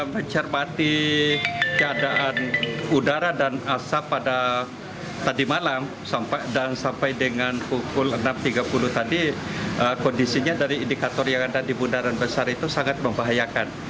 mencermati keadaan udara dan asap pada tadi malam dan sampai dengan pukul enam tiga puluh tadi kondisinya dari indikator yang ada di bundaran besar itu sangat membahayakan